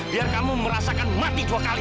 biar kamu merasakan mati dua kali